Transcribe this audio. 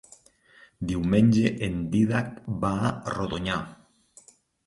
Diumenge en Dídac va a Rodonyà.